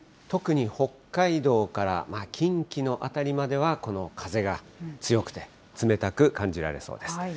特に北海道から近畿の辺りまでは、この風が強くて、冷たく感じられそうです。